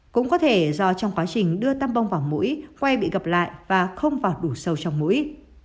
cũng có thể do trong quá trình đưa tam bông vào mũi quay bị gặp lại và không vào đủ sâu trong mũi